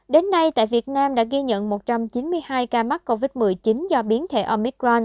đến nay tại việt nam đã ghi nhận một trăm chín mươi hai ca mắc covid một mươi chín do biến thể omicron